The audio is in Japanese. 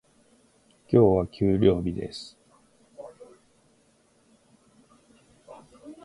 今日は給料日です。